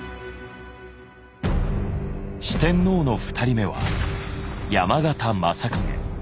四天王の２人目は山県昌景。